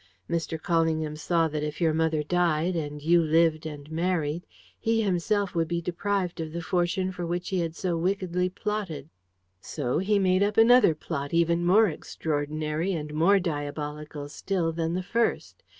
Mr. Callingham saw that if your mother died, and you lived and married, he himself would be deprived of the fortune for which he had so wickedly plotted. So he made up another plot even more extraordinary and more diabolical still than the first.